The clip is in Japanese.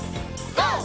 ＧＯ！